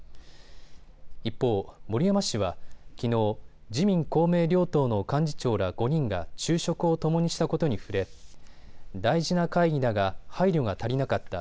一方、森山氏はきのう、自民公明両党の幹事長ら５人が昼食をともにしたことに触れ、大事な会議だが、配慮が足りなかった。